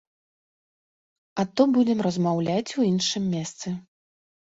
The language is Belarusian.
А то будзем размаўляць у іншым месцы.